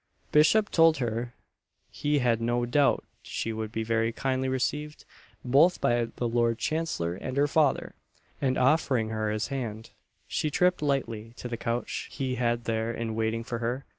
Bishop told her he had no doubt she would be very kindly received, both by the Lord Chancellor and her father; and offering her his hand, she tripped lightly to the coach he had there in waiting for her.